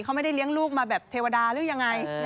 เขาไม่ได้เลี้ยงลูกมาแบบเทวดาหรือยังไง